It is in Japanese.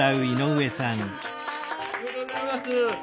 おめでとうございます。